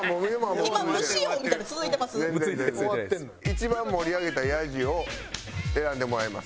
一番盛り上げたヤジを選んでもらいます。